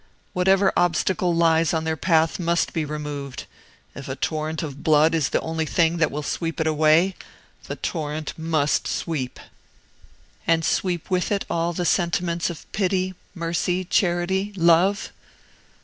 Whatever obstacle lies on their path must be removed; if a torrent of blood is the only thing that will sweep it away the torrent must sweep." "And sweep with it all the sentiments of pity, mercy, charity, love?"